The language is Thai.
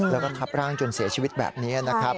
แล้วก็ทับร่างจนเสียชีวิตแบบนี้นะครับ